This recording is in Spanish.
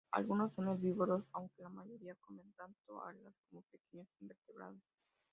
Algunos son herbívoros, aunque la mayoría comen tanto algas como pequeños invertebrados.